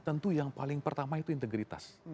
tentu yang paling pertama itu integritas